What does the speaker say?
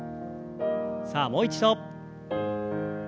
さあもう一度。